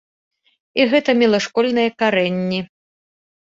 І гэта мела школьныя карэнні.